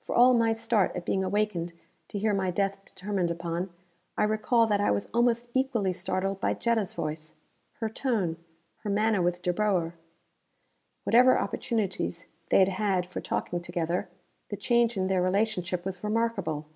For all my start at being awakened to hear my death determined upon, I recall that I was almost equally startled by Jetta's voice. Her tone, her manner with De Boer. Whatever opportunities they had had for talking together, the change in their relationship was remarkable.